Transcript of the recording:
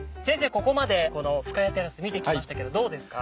ここまでこの深谷テラス見てきましたけどどうですか？